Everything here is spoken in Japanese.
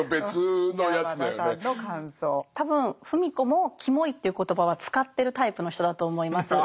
多分芙美子もキモいという言葉は使ってるタイプの人だと思います。